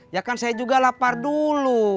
ya kan saya juga lapar dulu